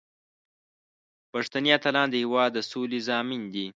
پښتني اتلان د هیواد د سولې ضامن دي.